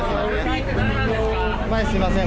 前すいません。